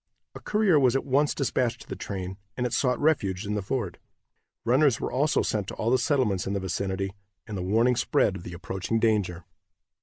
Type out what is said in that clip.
A courier was at once dispatched to the train, and it sought refuge in the fort. Runners were also sent to all the settlements in the vicinity, and the warning spread of the approaching danger.